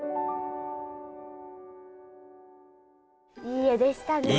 いい画でしたね。